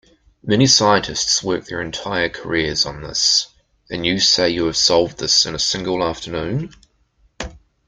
Many scientists work their entire careers on this, and you say you have solved this in a single afternoon?